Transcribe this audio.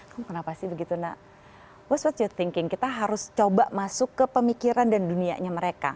kamu kenapa sih begitu nak apa yang kamu pikirkan kita harus coba masuk ke pemikiran dan dunianya mereka